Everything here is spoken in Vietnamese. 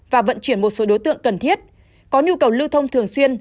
và vận chuyển một số đối tượng cần thiết có nhu cầu lưu thông thường xuyên